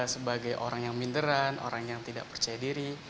sebagai orang yang minderan orang yang tidak percaya diri